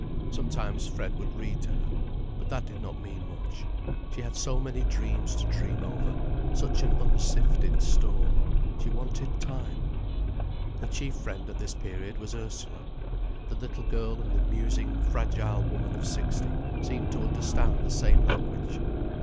Sometimes Fred would read to her. But that did not mean much. She had so many dreams to dream over, such an unsifted store. She wanted time. Her chief friend at this period was Ursula. The little girl and the musing, fragile woman of sixty seemed to understand the same language.